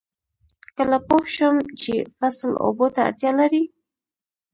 کله پوه شم چې فصل اوبو ته اړتیا لري؟